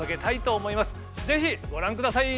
是非ご覧下さい。